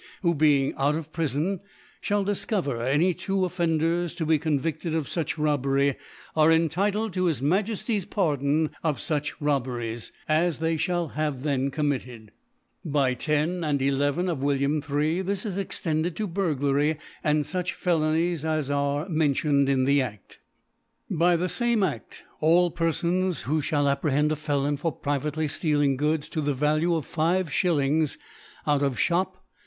who, being. out of Prifon, (hall diicovcr any two Offenders, to be eonvi£l* ed of flich Robbery, are entitled to his Ma jefty's Pardon of fuch Robberies, &c* as* they (hall have then committed. By 10 and 11' of t ff^illiam III. this is extended to Burglary, and fuoh Felonies* as are mentioned in the A&. By the fame Aft all Perfons who fliall apprehend a Felon for p ivately ftealing Goods to the Value of 5 s. out of Shop